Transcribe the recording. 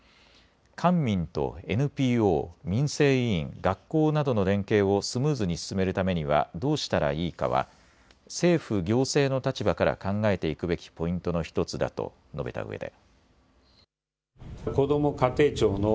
官民とＮＰＯ、民生委員、学校などの連携をスムーズに進めるためにはどうしたらいいかは政府・行政の立場から考えていくべきポイントの１つだと述べたうえで。